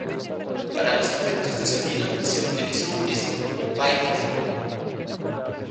Para los efectos de sonido, se utilizó un disco "Vitaphone".